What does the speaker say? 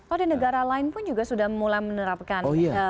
oh di negara lain pun juga sudah mulai menerapkan